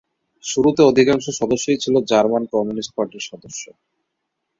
শুরুতে অধিকাংশ সদস্যই ছিল জার্মান কমিউনিস্ট পার্টির সদস্য।